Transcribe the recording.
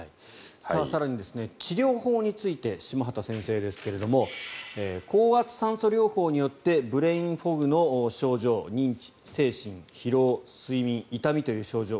更に治療法について下畑先生ですが高圧酸素療法によってブレインフォグの症状認知、精神疲労、睡眠痛みという症状